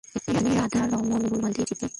তিনি রাধারমণ বলেই সমাধিক পরিচিত।